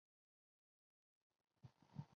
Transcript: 普遍被称为町村派。